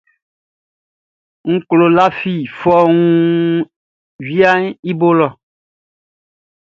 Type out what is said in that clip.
Kloʼn lafi fɔuun viaʼn i bo lɔ.